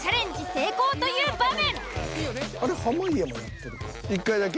成功という場面。